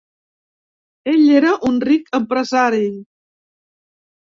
Ell era un ric empresari.